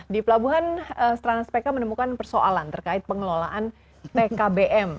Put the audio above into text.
di pelabuhan strana speka menemukan persoalan terkait pengelolaan tkbm